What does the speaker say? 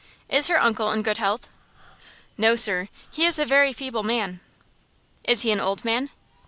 Is her uncle in good health?" "No, sir; he is a very feeble man." "Is he an old man?"